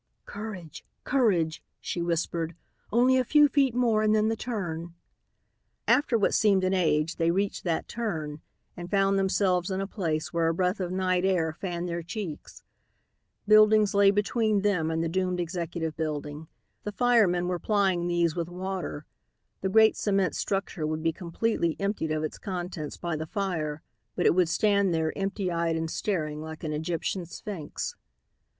"Courage! Courage!" she whispered. "Only a few feet more and then the turn." After what seemed an age they reached that turn and found themselves in a place where a breath of night air fanned their cheeks. Buildings lay between them and the doomed executive building. The firemen were plying these with water. The great cement structure would be completely emptied of its contents by the fire but it would stand there empty eyed and staring like an Egyptian sphinx.